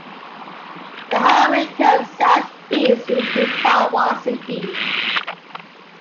The highway curves southeast into Tawas City.